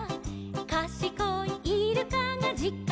「かしこいイルカがじかんをきいた」